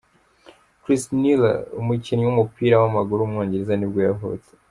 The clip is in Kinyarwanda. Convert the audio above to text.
Chris Neal, umukinnyi w’umupira w’amaguru w’umwongereza nibwo yavutse.